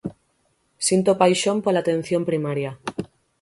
Sinto paixón pola atención primaria.